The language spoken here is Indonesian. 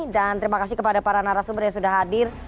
dan terima kasih kepada para narasumber yang sudah hadir